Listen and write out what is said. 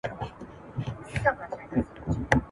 تر هغه وخته به جوړه زموږ دمه سي !.